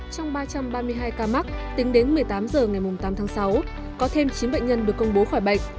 trong ba trăm ba mươi hai ca mắc tính đến một mươi tám h ngày tám tháng sáu có thêm chín bệnh nhân được công bố khỏi bệnh